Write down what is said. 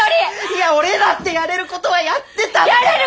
いや俺だってやれることはやってたって！